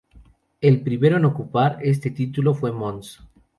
El primero en ocupar este título fue Mons.